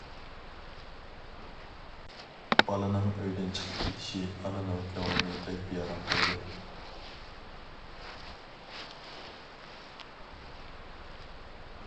بالىنىڭ ئۆيدىن چىقىپ كېتىشى ئانىنىڭ كۆڭلىنى بەك بىئارام قىلدى.